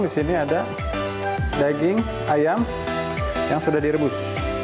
di sini ada daging ayam yang sudah direbus